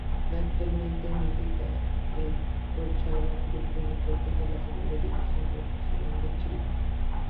Actualmente milita en Colchagua Club de Deportes de la Segunda División Profesional de Chile.